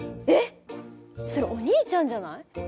えっそれお兄ちゃんじゃない？